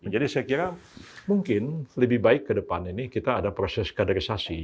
jadi saya kira mungkin lebih baik ke depan ini kita ada proses kadarisasi